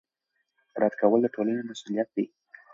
رد کول د ټولنې مسوولیت دی